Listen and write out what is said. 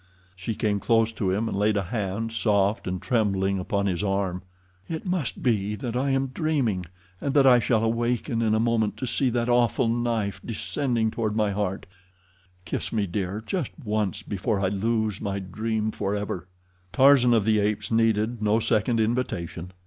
She came close to him and laid a hand, soft and trembling, upon his arm. "It must be that I am dreaming, and that I shall awaken in a moment to see that awful knife descending toward my heart—kiss me, dear, just once before I lose my dream forever." Tarzan of the Apes needed no second invitation.